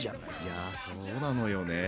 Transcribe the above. いやそうなのよね。